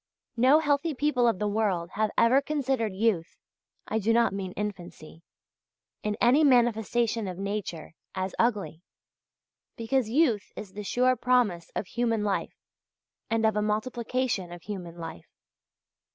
No healthy people of the world have ever considered youth (I do not mean infancy) in any manifestation of nature, as ugly; because youth is the sure promise of human life and of a multiplication of human life.